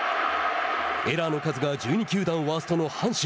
エラーの数が１２球団ワーストの阪神。